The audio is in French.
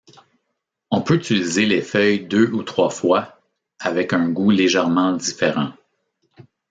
On peut utiliser les feuilles deux ou trois fois, avec un goût légèrement différent.